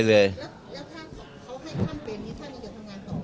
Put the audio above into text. แล้วพวกบ้านกระแสก็บอกว่าท่านมีปัญหาเรื่องสุขภาพ